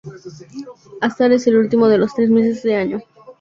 Azar es el último de los tres meses de otoño.